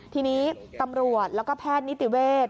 ทีนี้ตำรวจแล้วก็แพทย์นิติเวศ